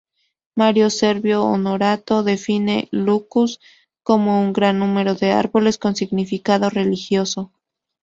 Mario Servio Honorato define "lucus" como "un gran número de árboles con significado religioso".